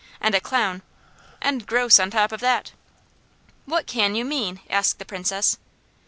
And a 'clown'! And 'gross' on top of that!" "What can you mean?" asked the Princess.